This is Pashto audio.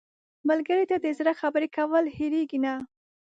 ملګری ته د زړه خبرې کول هېرېږي نه